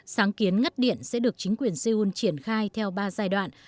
sáng kiến ngắt điện sẽ được chính quyền seoul triển khai theo ba giai đoạn